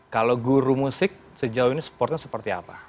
kalau guru musik sejauh ini supportnya seperti apa